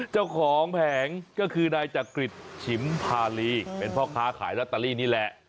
เจ้าของแผงก็คือนายจักริตฉิมพาลีเป็นพ่อค้าขายลอตเตอรี่นี่แหละ